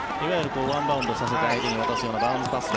バウンドさせて相手に渡すようなバウンスパスで。